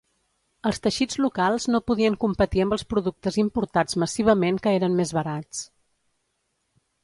Els teixits locals no podien competir amb els productes importats massivament que eren més barats.